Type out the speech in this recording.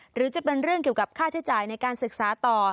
หรือจะเป็นเรื่องเกี่ยวกับค่าใช้จ่ายในการศึกษาต่อ